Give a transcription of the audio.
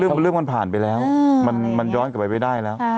เรื่องมันผ่านไปแล้วมันย้อนกลับไปไม่ได้แล้ว